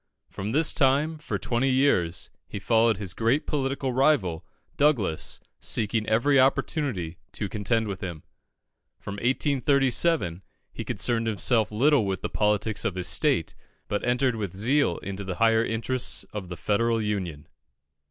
From this time, for twenty years, he followed his great political rival, Douglas, seeking every opportunity to contend with him. From 1837 he concerned himself little with the politics of his state, but entered with zeal into the higher interests of the Federal Union.